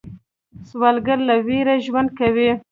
سوالګر له ویرې ژوند کوي